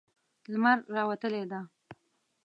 لمر راوتلی ده